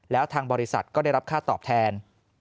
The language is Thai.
แล้วทางบริษัทก็ได้รับค่าตอบแทน